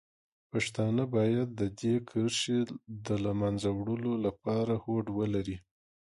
پښتانه باید د دې کرښې د له منځه وړلو لپاره هوډ ولري.